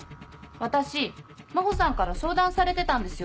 私真帆さんから相談されてたんですよ